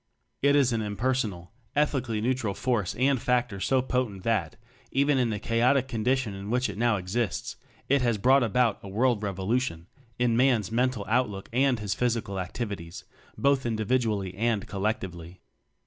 It is an impersonal, ethically neutral force and factor so potent that even in the chaotic condition in which it now exists it has brought about a world revolution in man's mental out look and his physical activities, both individually and collectively.